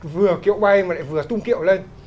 vừa kiệu bay mà lại vừa tung kiệu lên